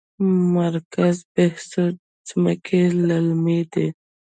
مرکز بهسود ځمکې للمي دي؟